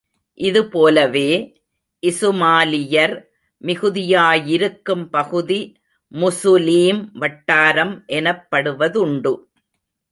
இது போலவே, இசுமாலியர் மிகுதியாயிருக்கும் பகுதி முசுலீம் வட்டாரம் எனப்படுவதுண்டு.